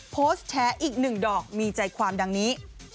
โพสต์แชร์อีกหนึ่งดอกมีใจความดังนี้